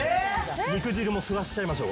肉汁も吸わせちゃいましょう。